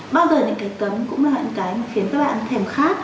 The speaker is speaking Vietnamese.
bao giờ những cái cấm cũng là những cái khiến các bạn thèm